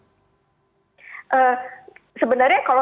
sebenarnya kalau misalnya hak orang untuk membeli kendaraan pribadi